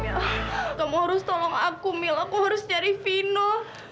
kamu harus tolong aku mil aku harus nyari vino